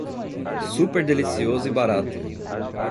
Super delicioso e barato